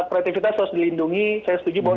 kreativitas harus dilindungi saya setuju bahwa